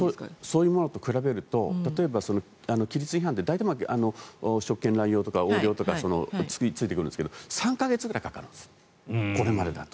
そういうものと比べると例えば規律違反で大体、職権乱用とか横領とかついてくるんですけど３か月ぐらいかかるんですこれまでだと。